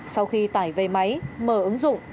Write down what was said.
sau khi tải về máy mở ứng dụng